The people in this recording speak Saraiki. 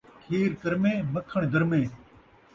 کھیر کرمیں ، مکھݨ درمیں